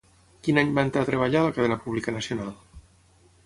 Quin any va entrar a treballar a la cadena pública nacional?